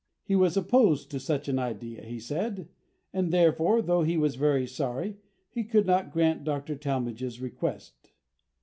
He was opposed to such an idea, he said; and, therefore, though he was very sorry, he could not grant Dr. Talmage's request.